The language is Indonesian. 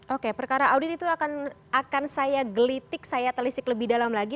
oke perkara audit itu akan saya gelitik saya telisik lebih dalam lagi